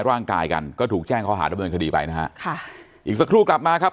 ร่างกายกันก็ถูกแจ้งข้อหาดำเนินคดีไปนะฮะค่ะอีกสักครู่กลับมาครับ